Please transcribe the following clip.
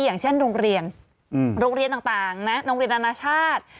อย่างเช่นโรงเรียนโรงเรียนต่างนะโรงเรียนอนาชาติ